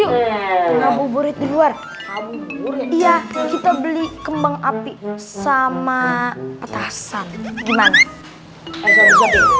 intervall berit keluar ya kita beli kembang api sama kata asan edit